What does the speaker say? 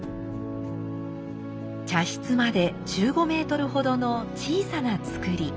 茶室まで１５メートルほどの小さな作り。